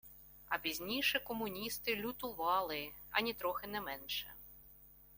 А пізніше комуністи лютували анітрохи не менше